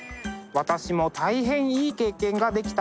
私も大変いい経験ができたと思います。